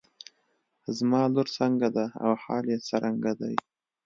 زما لور څنګه ده او حال يې څرنګه دی.